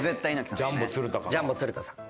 ジャンボ鶴田さん。